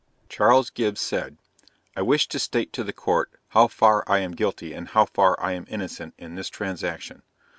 Charles Gibbs said, I wish to state to the Court, how far I am guilty and how far I am innocent in this transaction.